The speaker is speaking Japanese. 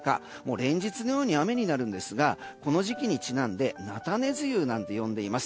連日のように雨になるんですがこの時期にちなんでなたね梅雨なんて呼んでいます。